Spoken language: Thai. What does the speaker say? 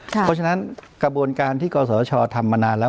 เพราะฉะนั้นกระบวนการที่กศชทำมานานแล้ว